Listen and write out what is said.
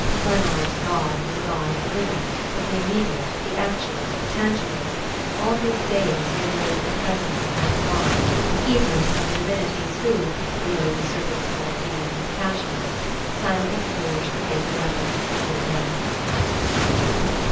Glennard's God was a god of the living, of the immediate, the actual, the tangible; all his days he had lived in the presence of that god, heedless of the divinities who, below the surface of our deeds and passions, silently forge the fatal weapons of the dead.